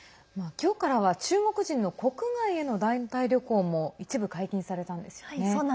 今日からは中国人の国外への団体旅行も一部解禁されたんですよね。